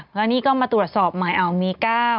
แล้วนี่ก็มาตรวจสอบหมายออกมี๙